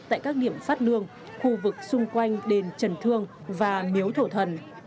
tại các điểm phát lương khu vực xung quanh đền trần thương và miếu thổ thần